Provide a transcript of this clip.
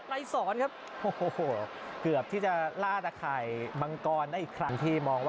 ครับเกือบที่จะล่าตะไขมังกรแล้วอีกครั้ง